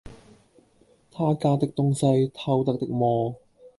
他家的東西，偷得的麼？